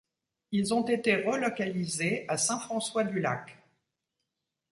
Ils ont été relocalisés à Saint-François-du-Lac.